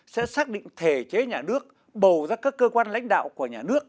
sẽ xác định thể chế nhà nước bầu ra các cơ quan lãnh đạo của nhà nước